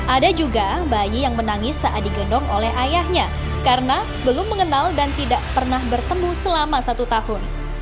ada juga bayi yang menangis saat digendong oleh ayahnya karena belum mengenal dan tidak pernah bertemu selama satu tahun